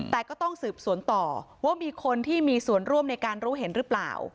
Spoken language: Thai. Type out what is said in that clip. แต่ก็ต้องสืบสวนต่อว่ามีคนที่มีส่วนร่วมในการรู้เห็นหรือเปล่า